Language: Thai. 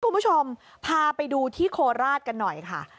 คุณผู้ชมพาไปดูที่โคราชกันหน่อยค่ะ